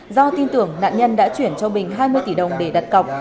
do tin tưởng nạn nhân đã chuyển cho bình hai mươi tỷ đồng để đặt cọc